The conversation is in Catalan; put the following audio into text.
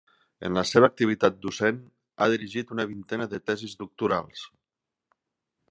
En la seva activitat docent ha dirigit una vintena de tesis doctorals.